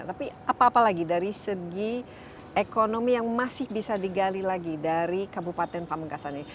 tapi apa apa lagi dari segi ekonomi yang masih bisa digali lagi dari kabupaten pamekasan ini